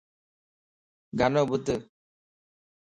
گانو ٻڌ